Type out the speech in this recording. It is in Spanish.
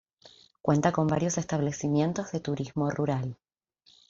Cuenta con varios establecimientos de turismo rural.